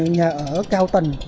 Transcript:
nhà ở cao tầng